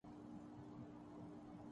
کیونکہ اساتذہ کا معیار بالکل ہی مختلف تھا۔